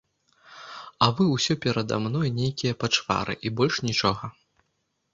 А вы ўсе перада мной нейкія пачвары, і больш нічога.